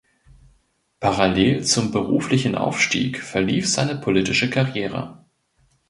Parallel zum beruflichen Aufstieg verlief seine politische Karriere.